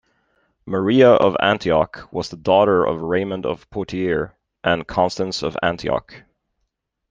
Maria of Antioch was the daughter of Raymond of Poitiers and Constance of Antioch.